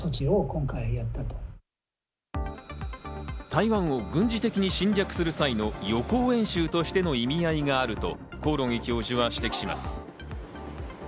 台湾を軍事的に侵略する際の予行演習としての意味合いがあると興梠教授は指摘します。